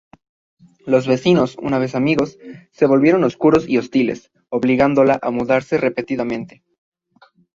Los vecinos, una vez amigos, se volvieron oscuros y hostiles, obligándola a mudarse repetidamente.